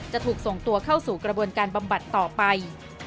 จะถูกส่งตัวเข้าสู่กระบวนการบำบัดต่อไป